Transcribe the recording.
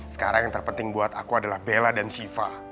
sekarang yang terpenting buat aku adalah bela dan shiva